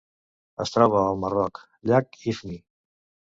Es troba al Marroc: llac Ifni.